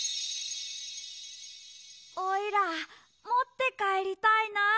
おいらもってかえりたいな。